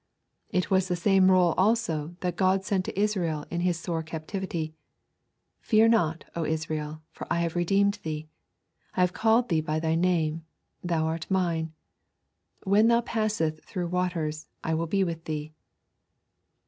It was the same roll also that God sent to Israel in his sore captivity. 'Fear not, O Israel, for I have redeemed thee; I have called thee by thy name, thou art Mine. When thou passest through the waters, I will be with thee.'